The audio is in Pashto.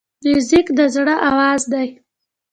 موزیک د زړه آواز دی.